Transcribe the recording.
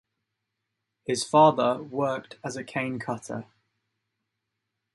His father worked as a canecutter.